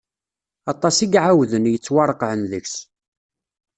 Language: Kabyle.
Aṭas i iɛawden, yettwareqɛen deg-s.